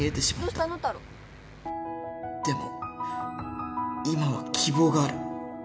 どうしたでも今は希望がある